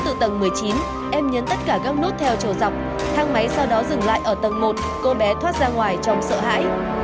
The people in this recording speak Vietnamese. từ tầng một mươi chín em nhấn tất cả các nốt theo chiều dọc thang máy sau đó dừng lại ở tầng một cô bé thoát ra ngoài trong sợ hãi